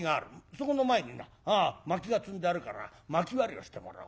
そこの前にな薪が積んであるから薪割りをしてもらおう。